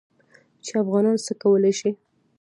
چې افغانان څه کولی شي.